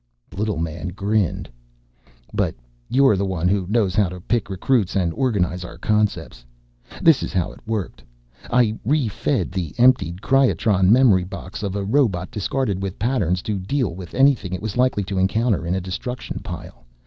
The little man grinned. "But you're the one who knows how to pick recruits and organize our concepts. This is how it worked. I re fed the emptied cryotron memory box of a robot discard with patterns to deal with anything it was likely to encounter in a destruction pile.